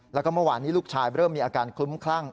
แล้วก็เมื่อวานนี้ลูกชายเริ่มมีอาการคลุ้มคลั่ง